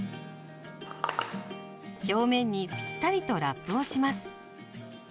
表面にピッタリとラップをします。